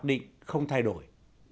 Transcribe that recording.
hợp định không thay đổi